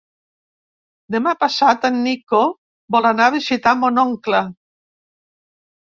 Demà passat en Nico vol anar a visitar mon oncle.